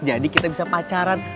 jadi kita bisa pacaran